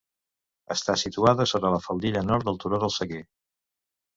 Està situada sota la faldilla nord del turó del Seguer.